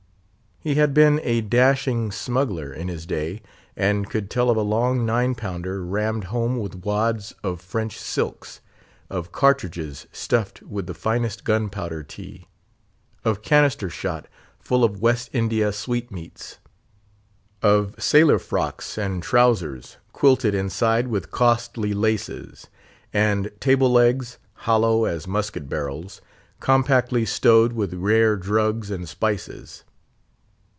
He had been a dashing smuggler in his day, and could tell of a long nine pounder rammed home with wads of French silks; of cartridges stuffed with the finest gunpowder tea; of cannister shot full of West India sweetmeats; of sailor frocks and trowsers, quilted inside with costly laces; and table legs, hollow as musket barrels, compactly stowed with rare drugs and spices.